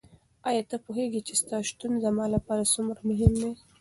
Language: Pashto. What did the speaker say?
ایا ته پوهېږې چې ستا شتون زما لپاره څومره مهم دی؟